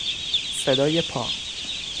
صدای پا